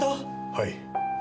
はい。